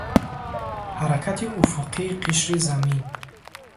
Ҳаракати уфуқии қишри Замин.